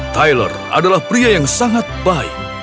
tilor adalah pria yang sangat baik